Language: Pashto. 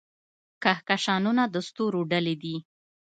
کهکشانونه د ستورو ډلې دي.